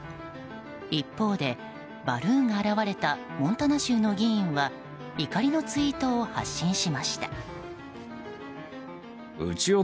一方でバルーンが現れたモンタナ州の議員は怒りのツイートを発信しました。